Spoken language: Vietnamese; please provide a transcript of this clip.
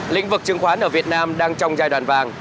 lĩnh vực chứng khoán ở việt nam đang trong giai đoạn vàng